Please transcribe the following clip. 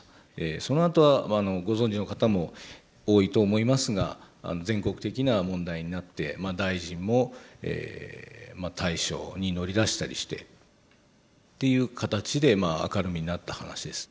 そのあとはご存じの方も多いと思いますが全国的な問題になって大臣も対処に乗り出したりしてっていう形で明るみになった話です。